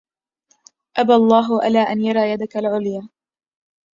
أبى الله إلا أن يرى يدك العليا